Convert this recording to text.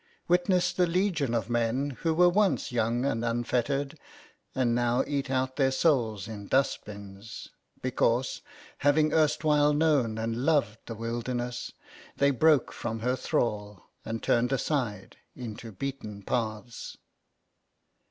Witness the legion of men who were once young and unfettered and now eat out their souls in dustbins, because, having erstwhile known and loved the Wilderness, they broke from her thrall and turned aside into beaten paths.